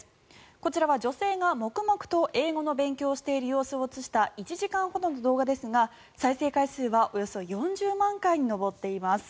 こちらは女性が黙々と英語の勉強をしている様子を映した１時間ほどの動画ですが再生回数はおよそ４０万回に上っています。